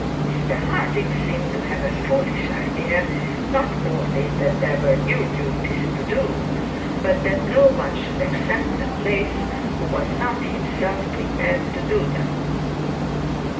Mr Harding seemed to have a foolish idea, not only that there were new duties to do, and that no one should accept the place who was not himself prepared to do them.